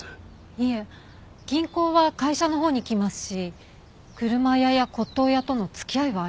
いえ銀行は会社のほうに来ますし車屋や骨董屋との付き合いはありません。